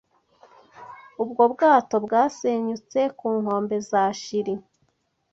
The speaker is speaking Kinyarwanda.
Ubwo bwato bwasenyutse ku nkombe za Chili.